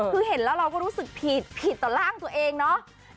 คือเห็นแล้วเราก็รู้สึกผิดผิดต่อร่างตัวเองเนาะ